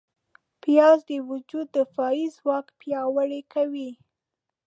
پیاز د وجود دفاعي ځواک پیاوړی کوي